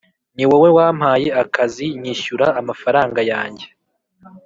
Niwowe wampaye akazi nyishyura amafaranga yange